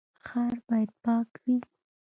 ښار باید پاک وي